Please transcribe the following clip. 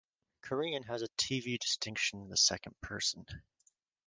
Korean has a T-V distinction in the second person.